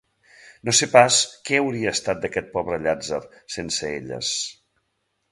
No sé pas què hauria estat d'aquest pobre llàtzer sense elles...